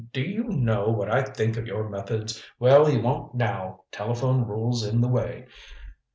Do you know what I think of your methods? Well, you won't now telephone rules in the way.